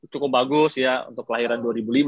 cukup bagus ya untuk lahiran